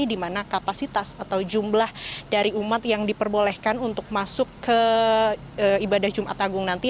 di mana kapasitas atau jumlah dari umat yang diperbolehkan untuk masuk ke ibadah jumat agung nanti